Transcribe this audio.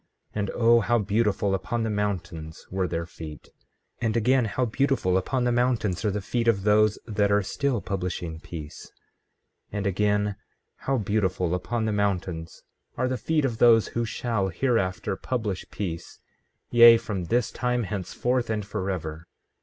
15:15 And O how beautiful upon the mountains were their feet! 15:16 And again, how beautiful upon the mountains are the feet of those that are still publishing peace! 15:17 And again, how beautiful upon the mountains are the feet of those who shall hereafter publish peace, yea, from this time henceforth and forever!